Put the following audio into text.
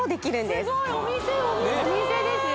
すごいお店お店お店ですよ